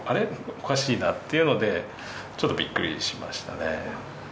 おかしいなっていうので、ちょっとびっくりしましたね。